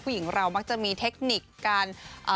ผู้หญิงเรามักจะมีเทคนิคการ